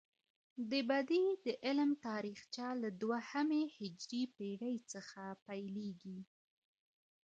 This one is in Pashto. د بدیع د علم تاریخچه له دوهمې هجري پیړۍ څخه پيلیږي.